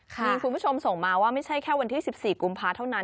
มีคุณผู้ชมส่งมาว่าไม่ใช่แค่วันที่๑๔กุมภาเท่านั้น